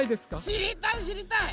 しりたいしりたい！